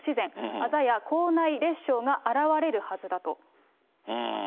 あざや口内裂傷が現れるはずだとしています。